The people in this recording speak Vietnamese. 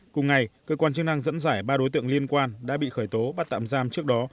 cùng ngày cơ quan chức năng dẫn giải ba đối tượng liên quan đã bị khởi tố bắt tạm giam trước đó